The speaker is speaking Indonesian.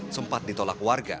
sempat ditolak warga